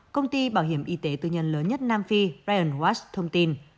công ty bảo hiểm y tế tư nhân lớn nhất nam phi brian watts thông tin